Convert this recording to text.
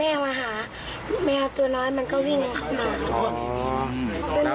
พอแมวมาหาแมวตัวน้อยมันก็ลิ่งเข้ามาอ๋อ